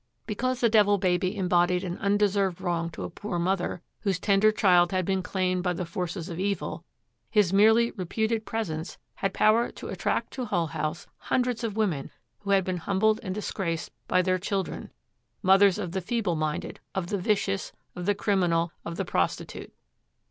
Because the Devil Baby embodied an undeserved wrong to a poor mother, whose tender child had been claimed by the forces of evil, his merely reputed presence had power to attract to Hull House hundreds of women who had been humbled and disgraced by their children; mothers of the feeble minded, of the vicious, of the criminal, of the prostitute.